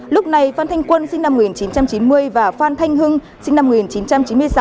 lúc này phan thanh quân sinh năm một nghìn chín trăm chín mươi và phan thanh hưng sinh năm một nghìn chín trăm chín mươi sáu